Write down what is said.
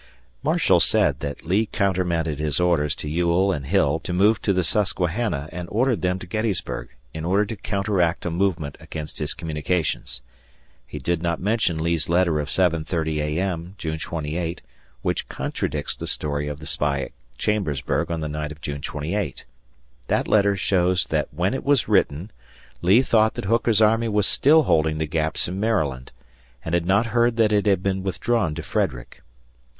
Marshall said that Lee countermanded his orders to Ewell and Hill to move to the Susquehanna and ordered them to Gettysburg, in order tocounteract a movement against his communications. He did not mention Lee's letter of 7.30 A.M., June 18, which contradicts the story of the spy at Chambersburg on the night of June 28. That letter shows that when it was written, Lee thought that Hooker's army was still holding the Gaps in Maryland, and had not heard that it had been withdrawn to Frederick.